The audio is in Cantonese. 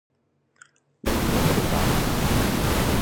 你點會喺度㗎